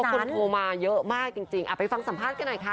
คนโทรมาเยอะมากจริงไปฟังสัมภาษณ์กันหน่อยค่ะ